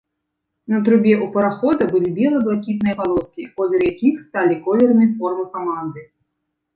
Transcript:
На трубе ў парахода былі бела-блакітныя палоскі, колеры якіх сталі колерамі формы каманды.